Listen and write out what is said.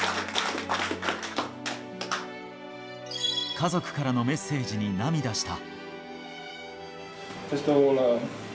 家族からのメッセージに涙した。